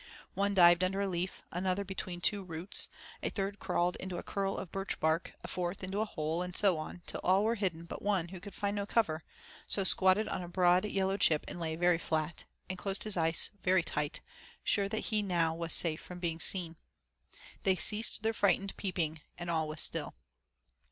One dived under a leaf, another between two roots, a third crawled into a curl of birchbark, a fourth into a hole, and so on, till all were hidden but one who could find no cover, so squatted on a broad yellow chip and lay very flat, and closed his eyes very tight, sure that now he was safe from being seen. They ceased their frightened peeping and all was still.